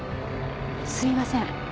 すみません。